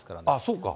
そうか。